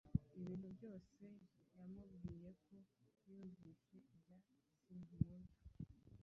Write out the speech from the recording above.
Ibintu byose yamubwiye ko yumvise ibya Sigmund